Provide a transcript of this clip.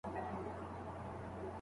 د وروستۍ بڼې کتل د مخالفت مخه نیسي.